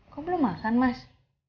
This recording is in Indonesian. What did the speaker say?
kok belum makan mas